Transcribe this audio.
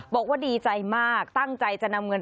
บอกว่าดีใจมากตั้งใจจะนำเงิน